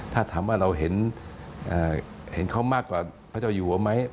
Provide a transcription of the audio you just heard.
ถ้าถามว่าเราเห็นเขามากกว่าพระเจ้าอยู่ไหม